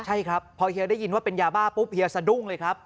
ใช่ครับพอเฮียได้ยินว่าเป็นยาบ้าปุ๊บเฮียสะดุ้งเลยครับ